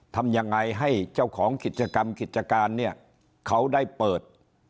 ทำยังไงให้เจ้าของกิจกรรมกิจการเนี่ยเขาได้เปิด